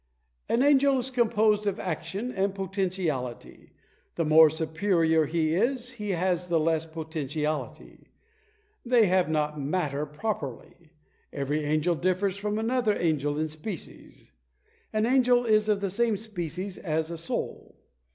An angel is composed of action and potentiality; the more superior he is, he has the less potentiality. They have not matter properly. Every angel differs from another angel in species. An angel is of the same species as a soul.